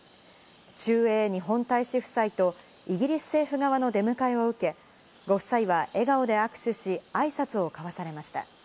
駐英日本大使夫妻と、イギリス政府側の出迎えを受け、ご夫妻は笑顔で握手し、あいさつを交わされました。